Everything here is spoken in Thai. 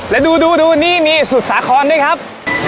แล้วดูนี่มีสุดสาครด้วยครับ